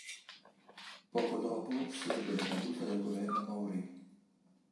Poco dopo si ebbe la caduta del governo Mauroy.